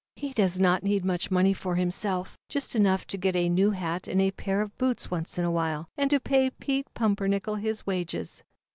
He does not need much money for himself, just enough to get a new hat and a pair of boots once in a while and to pay Pete Pumper nickel his wages."